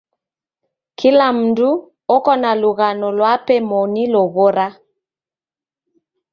Kila mndu oko na lughano lwape moni loghora.